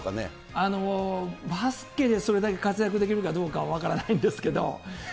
あの、バスケでそれだけ活躍できるかどうか分からないんですけど。